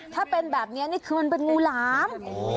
ถ้าเป็นแบบนี้นี่คือมันเป็นงูหลาม